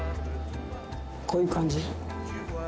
こういう感じ。